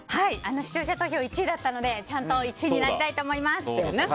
視聴者投票で１位だったのでちゃんと１位になりたいと思います。